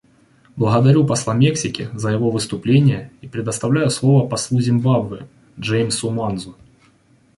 Благодарю посла Мексики за его выступление и предоставляю слово послу Зимбабве Джеймсу Манзу.